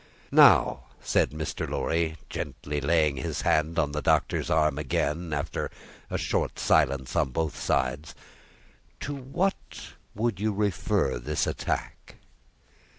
"Now," said Mr. Lorry, gently laying his hand on the Doctor's arm again, after a short silence on both sides, "to what would you refer this attack?"